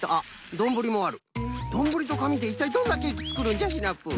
どんぶりとかみでいったいどんなケーキつくるんじゃシナプー。